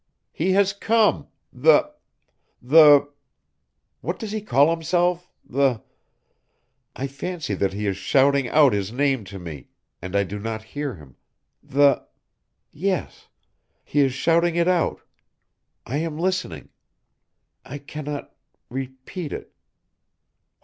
He has come, the ... the ... what does he call himself ... the ... I fancy that he is shouting out his name to me and I do not hear him ... the ... yes ... he is shouting it out ... I am listening ... I cannot ... repeat ... it